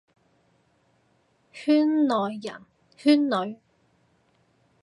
圈內人，圈裏，